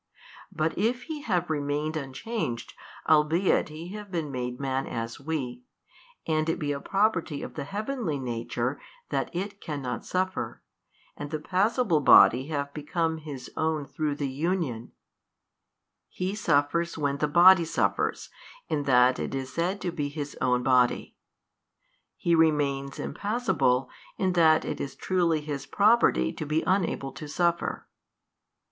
But if He have remained unchanged albeit He have been made man as we, and it be a property of the Heavenly Nature that It cannot suffer, and the passible body have become His own through the union: He suffers when the Body suffers, in that it is said to be His own body. He remains Impassible in that it is truly His property to be unable to suffer.